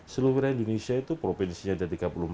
seluruh wilayah indonesia itu provinsinya ada tiga puluh empat